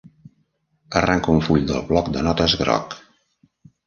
Arranca un full del bloc de notes groc.